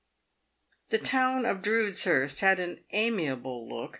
The town of Drudeshurst* had an amiable look.